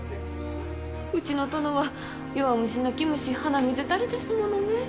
うちの殿は弱虫泣き虫鼻水垂れですものね。